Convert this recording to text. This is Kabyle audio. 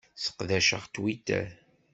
Sseqdaceɣ Twitter.